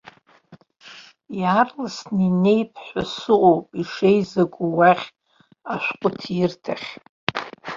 Иаарласны инеип ҳәа сыҟоуп ишеизаку уахь ашәҟәыҭирҭахь.